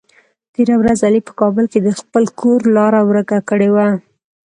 تېره ورځ علي په کابل کې د خپل کور لاره ور که کړې وه.